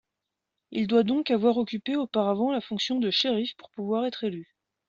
Il doit donc avoir occupé auparavant la fonction de shérif pour pouvoir être élu.